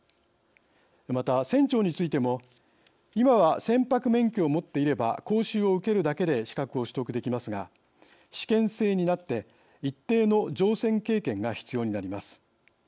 また、船長についても今は船舶免許を持っていれば講習を受けるだけで資格を取得できますが試験制になって一定の乗船経験が必要になります。